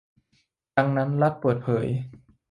ดังนั้นรัฐเปิดเผย